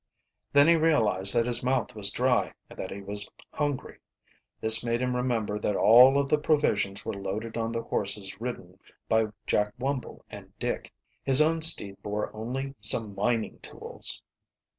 Then he realized that his mouth was dry and that he was hungry. This made him remember that all of the provisions were loaded on the horses ridden by Jack Wumble and Dick. His own steed bore only some mining tools.